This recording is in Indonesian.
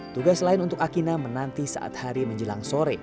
tugas lain untuk akina menanti saat hari menjelang sore